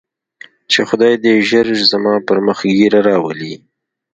چې خداى دې ژر زما پر مخ ږيره راولي.